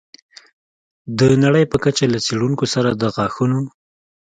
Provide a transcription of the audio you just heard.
د نړۍ په کچه له څېړونکو سره د غاښونو